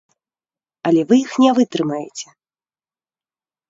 Але вы іх не вытрымаеце.